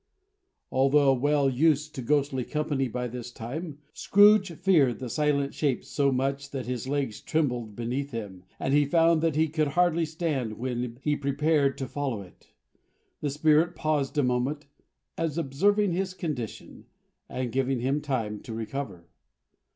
Although well used to ghostly company by this time, Scrooge feared the silent shape so much that his legs trembled beneath him, and he found that he could hardly stand when he prepared to follow it. The Spirit paused a moment, as observing his condition, and giving him time to recover.